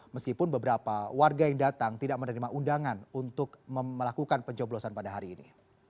meskipun beberapa warga yang datang tidak menerima undangan untuk melakukan pencoblosan pada hari ini